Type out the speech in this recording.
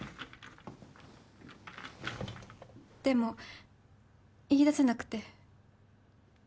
でも言いだせなくて。